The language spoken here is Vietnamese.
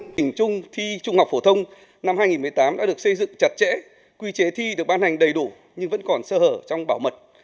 hình trung thi trung học phổ thông năm hai nghìn một mươi tám đã được xây dựng chặt chẽ quy chế thi được ban hành đầy đủ nhưng vẫn còn sơ hở trong bảo mật